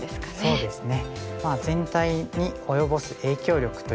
そうですね。